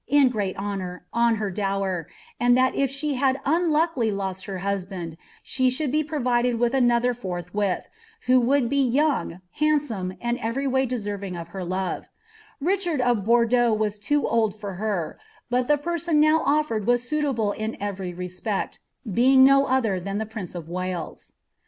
in e^i^Dt honour) w livr dowcr^ anil thai if »lie hnu unlorkily loit a hutliaiul, she should b« provided witli anulher forthwith, who would be young, hanilflomc, ami evrry way deserring of her love. Richard of Bordeaux was loo old for her, hut the person now olTeroil was suitable in etery reepwt; beitig no other than the prince of Wales."'